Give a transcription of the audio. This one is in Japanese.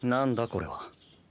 これは。